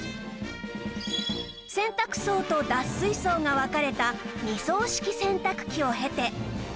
洗濯槽と脱水槽が分かれた二槽式洗濯機を経て